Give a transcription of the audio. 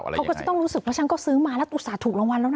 เขาก็จะต้องรู้สึกว่าฉันก็ซื้อมาแล้วอุตส่าหถูกรางวัลแล้วนะ